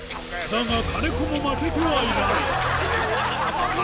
だが金子も負けてはいない